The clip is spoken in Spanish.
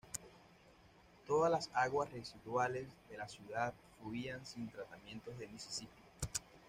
Todas las aguas residuales de la ciudad fluían sin tratamiento al Mississippi.